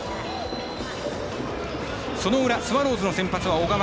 その裏、スワローズの先発は小川。